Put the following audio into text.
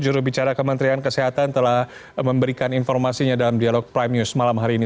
jurubicara kementerian kesehatan telah memberikan informasinya dalam dialog prime news malam hari ini